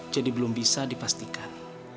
jadi belum bisa dipastikan